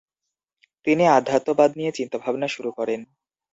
তিনি আধ্যাত্ম্যবাদ নিয়ে চিন্তাভাবনা শুরু করেন।